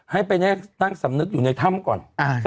ให้ไปง่ายสร้างสำนึกอยู่ในธ่ำก่อน